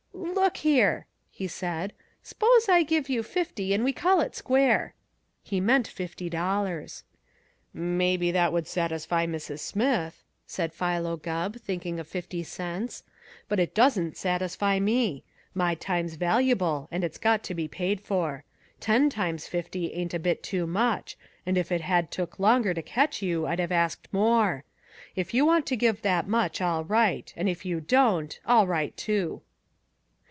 "Look here," he said. "S'pose I give you fifty and we call it square." He meant fifty dollars. "Maybe that would satisfy Mrs. Smith," said Philo Gubb, thinking of fifty cents, "but it don't satisfy me. My time's valuable and it's got to be paid for. Ten times fifty ain't a bit too much, and if it had took longer to catch you I'd have asked more. If you want to give that much, all right. And if you don't, all right too."